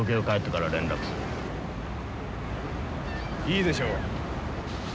いいでしょう。